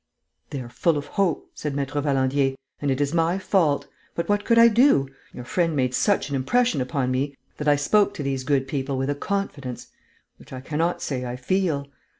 "They are full of hope," said Maître Valandier, "and it is my fault. But what could I do? Your friend made such an impression upon me that I spoke to these good people with a confidence ... which I cannot say I feel.